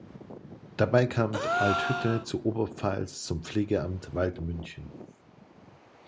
Dabei kam Althütte zur Oberpfalz zum Pflegamt Waldmünchen.